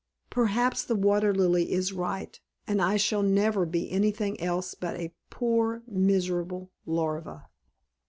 Perhaps the Water Lily is right, and I shall never be anything else but a poor, miserable Larva.